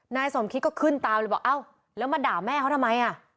นายสมคิดก็ขึ้นตามเลยบอกเอ้าแล้วมาด่าแม่เขาทำไมอ่ะ